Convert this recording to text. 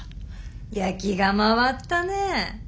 ・焼きが回ったね。